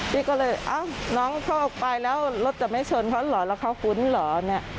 พี่ก็เลยเอ้าน้องเข้าไปแล้วรถจะไม่ชนเขาเหรอแล้วเขาคุ้นเหรอเนี่ย